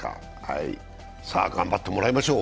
頑張ってもらいましょう。